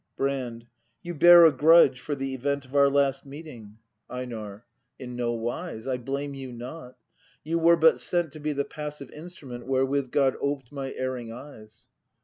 Brand. You bear a grudge for the event Of our last meetinir 248 BRAND [act v EiNAR. In no wise; I blame you not. You were but sent To be the passive instrument Wherewith God oped my erring eyes.